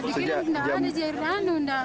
di sini tidak ada jairan